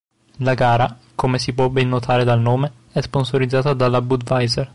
La gara, come si può ben notare dal nome, è sponsorizzata dalla Budweiser.